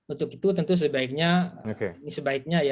untuk itu tentu sebaiknya ini sebaiknya ya